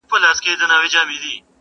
نه په کار مي دی معاش نه منصب او نه مقام,